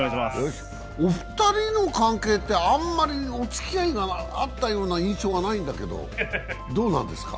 お二人の関係ってあんまりおつきあいがあったような印象がないんだけど、どうでしょうか？